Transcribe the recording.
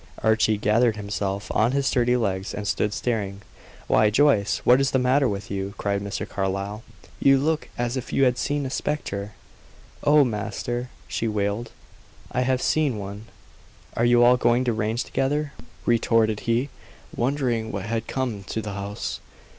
Archie gathered himself on his sturdy legs, and stood staring. "Why, Joyce! What is the matter with you?" cried Mr. Carlyle. "You look as if you had seen a spectre." "Oh, master!" she wailed, "I have seen one." "Are you all going deranged together?" retorted he, wondering what had come to the house.